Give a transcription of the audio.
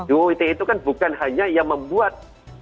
uite itu kan bukan hanya yang membuat